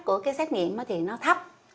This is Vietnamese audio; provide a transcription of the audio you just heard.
của cái xét nghiệm thì nó thấp